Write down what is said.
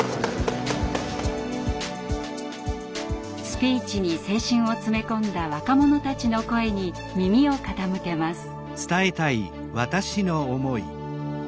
スピーチに青春を詰め込んだ若者たちの声に耳を傾けます。